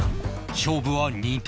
勝負は２投